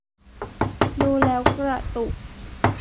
ดูแล้วกระตุก